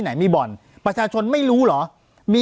ปากกับภาคภูมิ